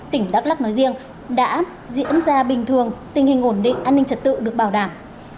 tỉnh đắk lắc nói riêng đã diễn ra bình thường tình hình ổn định an ninh trật tự được bảo đảm